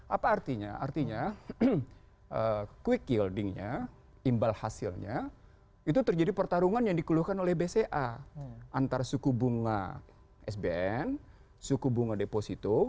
apa artinya artinya quick gildingnya imbal hasilnya itu terjadi pertarungan yang dikeluhkan oleh bca antara suku bunga sbn suku bunga deposito